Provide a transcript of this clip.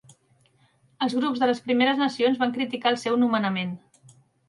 Els grups de les Primeres Nacions van criticar el seu nomenament.